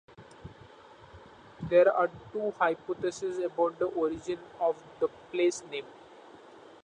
There are two hypotheses about the origin of the place name.